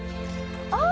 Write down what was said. あ！